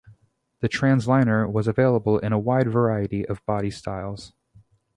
The Transliner was available in a wide variety of body styles.